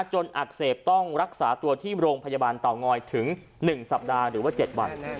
อักเสบต้องรักษาตัวที่โรงพยาบาลเตางอยถึง๑สัปดาห์หรือว่า๗วัน